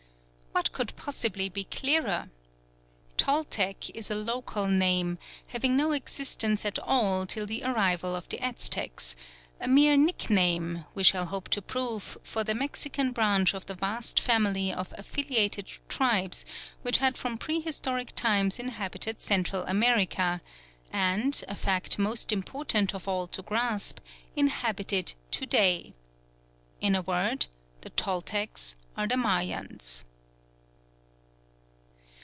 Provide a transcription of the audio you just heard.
What could possibly be clearer? "Toltec" is a local name, having no existence at all till the arrival of the Aztecs; a mere nickname, we shall hope to prove, for the Mexican branch of the vast family of affiliated tribes which had from prehistoric times inhabited Central America, and, a fact most important of all to grasp, inhabit it to day. In a word, the Toltecs are the Mayans.